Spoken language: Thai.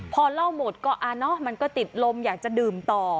พอเล่าหมดก็มันก็ติดลมอยากจะดื่มต่อ